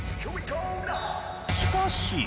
しかし。